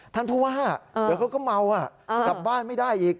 ท่านผู้ว่าเดี๋ยวเขาก็เมากลับบ้านไม่ได้อีก